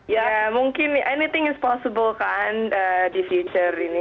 ya mungkin anything is possible kan di future ini